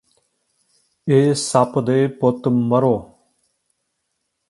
ਇਹ ਸ ਪੱ ਦੇ ਪ ੁਤ ਮੱਰੋ